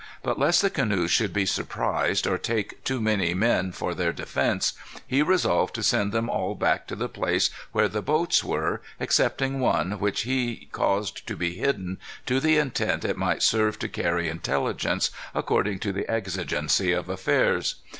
But lest the canoes should be surprised, or take too many men for their defence, he resolved to send them all back to the place where the boats were, excepting one, which he caused to be hidden, to the intent it might serve to carry intelligence, according to the exigency of affairs.